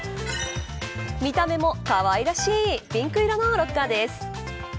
見た目も可愛らしいピンク色のロッカーです。